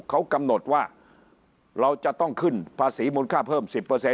เขากำหนดว่าเราจะต้องขึ้นภาษีมูลค่าเพิ่ม๑๐